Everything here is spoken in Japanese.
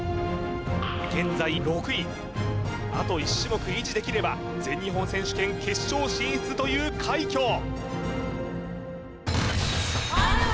現在６位あと１種目維持できれば全日本選手権決勝進出という快挙